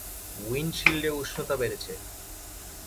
উইন্ডশীল্ডে উষ্ণতা বেড়েছে।